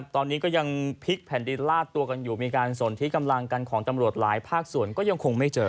ตอนนี้ก็ยังพลิกแผ่นดินลาดตัวกันอยู่มีการสนที่กำลังกันของตำรวจหลายภาคส่วนก็ยังคงไม่เจอ